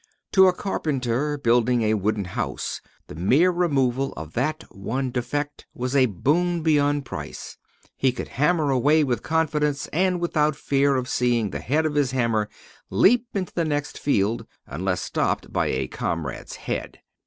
To a carpenter building a wooden house, the mere removal of that one defect was a boon beyond price; he could hammer away with confidence, and without fear of seeing the head of his hammer leap into the next field, unless stopped by a comrade's head.